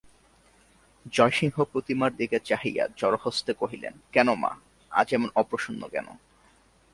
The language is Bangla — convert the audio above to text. জয়সিংহ প্রতিমার দিকে চাহিয়া জড়হস্তে কহিলেন, কেন মা, আজ এমন অপ্রসন্ন কেন?